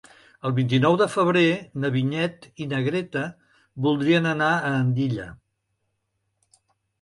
El vint-i-nou de febrer na Vinyet i na Greta voldrien anar a Andilla.